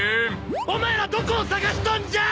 お前らどこを捜しとんじゃ！